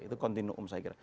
itu kontinuum saya kira